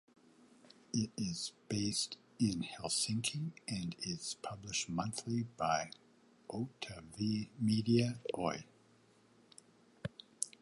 It is based in Helsinki and is published monthly by Otavamedia Oy.